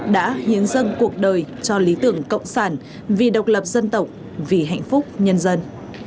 đã hiến dâng cuộc đời cho lý tưởng cộng sản vì độc lập dân tộc vì hạnh phúc nhân dân